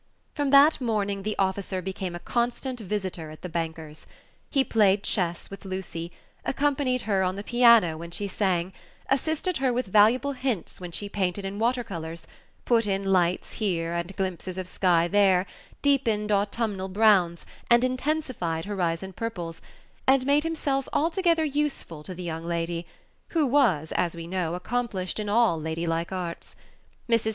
From that morning the officer became a constant visitor at the banker's. He played chess with Lucy, accompanied her on the piano when she sang, assisted her with valuable hints when she painted in water colors, put in lights here, and glimpses of sky there, deepened autumnal browns, and intensified horizon purples, and made himself altogether useful to the young lady, who was, as we know, accomplished in all lady like arts. Mrs.